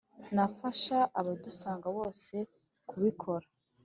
nafasha abadusanga bose kubikora